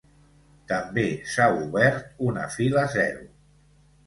També s’ha obert una fila zero.